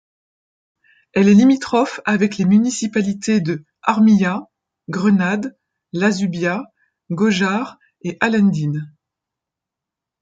Elle est limitrophe avec les municipalités de Armilla, Grenade, La Zubia, Gójar et Alhendín.